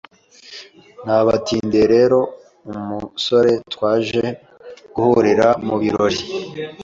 Ntabatindiye rero umusore twaje guhurira mu birori